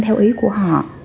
theo ý của họ